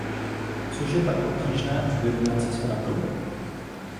Což je tak obtížné vyrovnat se s pravdou?